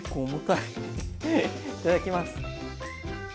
いただきます。